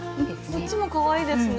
こっちもかわいいですね。